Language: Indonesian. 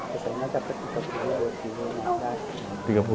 biasanya dapat tiga puluh ribu